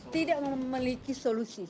tidak memiliki solusi